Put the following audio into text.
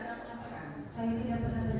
tidak ada penyampaian